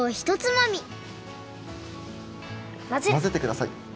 まぜてください！